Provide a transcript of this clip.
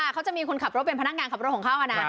เขาจะมีคนขับรถเป็นพนักงานขับรถของเขานะ